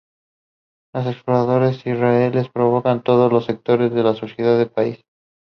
He appreciated the feedback he was given by the viewers of the anime.